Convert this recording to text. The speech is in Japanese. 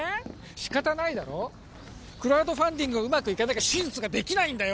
仕方ないだろクラウドファンディングがうまくいかなきゃ手術ができないんだよ